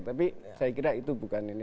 tapi saya kira itu bukan ini